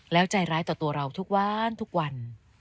แล้วใจร้ายต่อตัวเราทุกวันทุกวัน